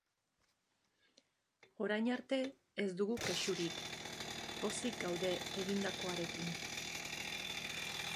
Orain arte ez dugu kexurik, pozik gaude egindakoarekin.